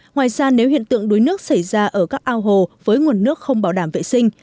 ngoài ra nếu hiện tượng đuối nước xảy ra ở các ao hồ với nguồn nước không bảo đảm vệ sinh